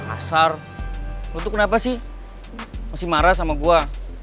asar lo tuh kenapa sih masih marah sama gue